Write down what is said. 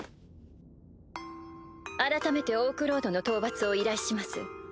改めてオークロードの討伐を依頼します。